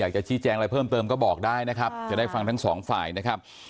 จะชี้แจงอะไรเพิ่มเติมก็บอกได้นะครับจะได้ฟังทั้งสองฝ่ายนะครับ